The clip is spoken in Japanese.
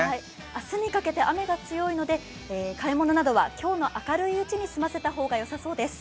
明日にかけて雨が強いので買い物などは今日のうちに済ませた方がよさそうです。